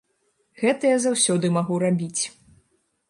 Гэта я заўсёды магу рабіць.